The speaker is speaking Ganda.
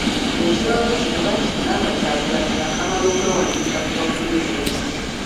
Ekirowoozo kino baakifuna nga Kyagulanyi yaakamala okwewandiisa ku bwapulezidenti .